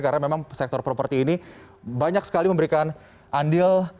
karena memang sektor properti ini banyak sekali memberikan andil